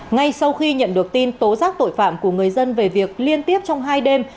ngay sau khi nhận được tin tố giác tội phạm của người dân về việc liên tiếp trong hai đêm